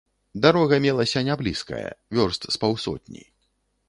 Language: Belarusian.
Дарога мелася не блізкая, вёрст з паўсотні.